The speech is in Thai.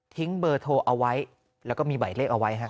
ทิ้งเบอร์โทรเอาไว้แล้วก็มีใบเลขเอาไว้ครับ